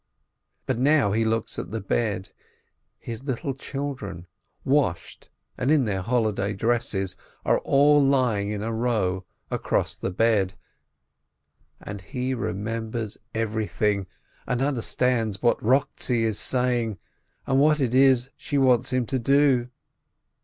But now he looks at the bed : his little children, washed, and in their holiday dresses, are all lying in a row across the bed, 218 LEENEE and — he remembers everything, and understands what Eochtzi is saying, and what it is she wants him to do.